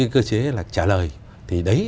cơ chế trả lời thì đấy